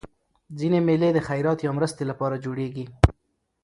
ځيني مېلې د خیرات یا مرستي له پاره جوړېږي.